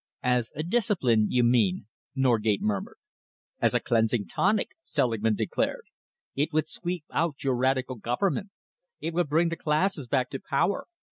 "As a discipline, you mean?" Norgate murmured. "As a cleansing tonic," Selingman declared. "It would sweep out your Radical Government. It would bring the classes back to power.